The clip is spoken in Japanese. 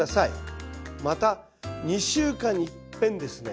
また２週間にいっぺんですね